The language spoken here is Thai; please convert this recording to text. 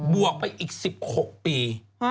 วกไปอีก๑๖ปี